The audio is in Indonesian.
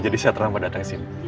jadi saya terlalu lama datang ke sini